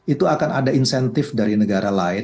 itu akan ada insentif dari negara lain